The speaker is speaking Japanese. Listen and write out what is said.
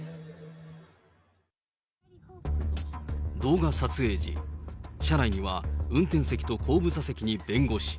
動画撮影時、車内には運転席と後部座席に弁護士。